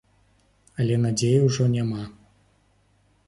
Але надзеі ўжо няма.